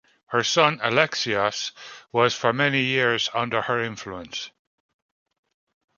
Her son Alexios was for many years under her influence.